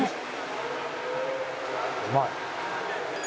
うまい。